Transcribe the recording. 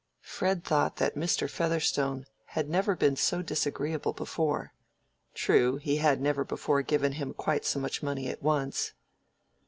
Fred thought that Mr. Featherstone had never been so disagreeable before. True, he had never before given him quite so much money at once.